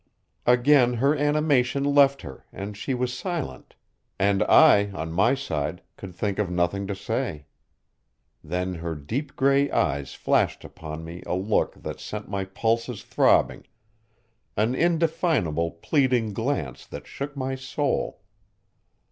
Again her animation left her, and she was silent; and I, on my side, could think of nothing to say. Then her deep gray eyes flashed upon me a look that sent my pulses throbbing, an indefinable, pleading glance that shook my soul.